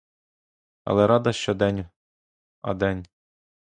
Але рада, що день, а день.